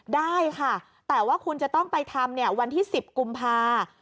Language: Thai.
ได้ค่ะแต่ว่าคุณจะต้องไปทำวันที่๑๐กุมภา